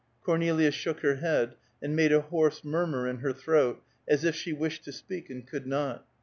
Cornelia shook her head, and made a hoarse murmur in her throat, as if she wished to speak and could not.